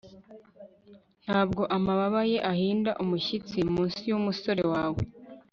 Ntabwo amababa ye ahinda umushyitsi munsi yumusore wawe